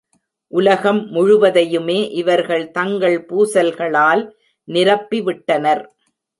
உலகம் முழுவதையுமே இவர்கள் தங்கள் பூசல்களால் நிரப்பிவிட்டனர்.